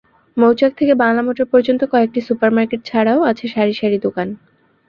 মৌচাক থেকে বাংলামোটর পর্যন্ত কয়েকটি সুপার মার্কেট ছাড়াও আছে সারি সারি দোকান।